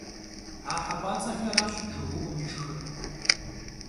A hep'ats'exeraş jjıgıu'um yişşxır.